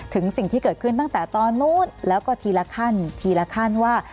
สิ่งที่เกิดขึ้นตั้งแต่ตอนนู้นแล้วก็ทีละขั้นทีละขั้นว่า